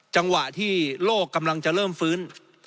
จังหวะที่โลกกำลังจะเริ่มฟื้น